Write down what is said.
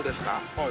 ・はい。